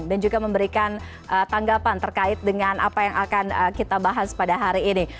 dan juga memberikan tanggapan terkait dengan apa yang akan kita bahas pada hari ini